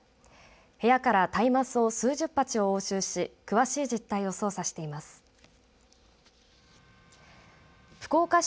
部屋から大麻草数十鉢を押収し詳しい実態を捜査しています。